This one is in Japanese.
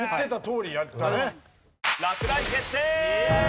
落第決定！